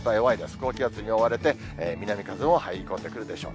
高気圧に覆われて、南風も入り込んでくるでしょう。